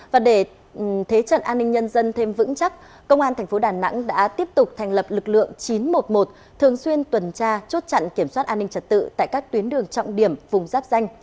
và để thế trận an ninh nhân dân thêm vững chắc công an thành phố đà nẵng đã tiếp tục thành lập lực lượng chín trăm một mươi một thường xuyên tuần tra chốt chặn kiểm soát an ninh trật tự tại các tuyến đường trọng điểm vùng giáp danh